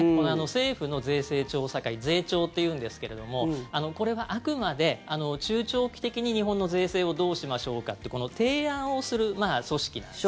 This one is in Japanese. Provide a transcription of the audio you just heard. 政府の税制調査会税調っていうんですけれどもこれはあくまで中長期的に日本の税制をどうしましょうかって提案をする組織なんですね。